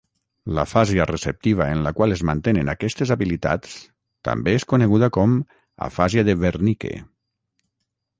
L'afàsia receptiva en la qual es mantenen aquestes habilitats també és coneguda com afàsia de Wernicke.